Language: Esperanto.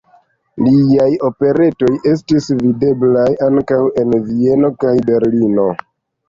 Liaj operetoj estis videblaj ankaŭ en Vieno kaj Berlino.